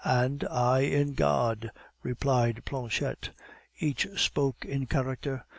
"And I in God," replied Planchette. Each spoke in character.